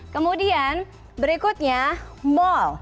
kemudian berikutnya mall